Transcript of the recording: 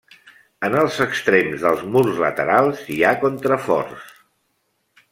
En els extrems dels murs laterals hi ha contraforts.